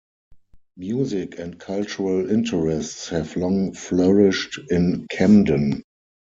Music and cultural interests have long flourished in Camden.